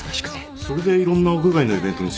それでいろんな屋外のイベントに設置してるんだ。